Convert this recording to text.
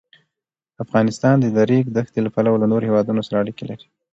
افغانستان د د ریګ دښتې له پلوه له نورو هېوادونو سره اړیکې لري.